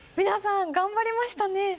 皆さん頑張りましたね。